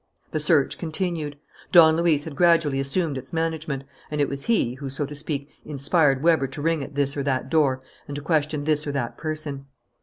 The search continued. Don Luis had gradually assumed its management; and it was he who, so to speak, inspired Weber to ring at this or that door and to question this or that person.